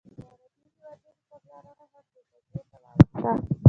د عربي هېوادونو پاملرنه هم دې قضیې ته واوښته.